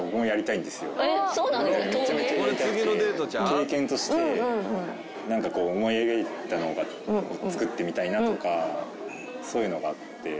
経験として何かこう思い描いたのを作ってみたいなとかそういうのがあって。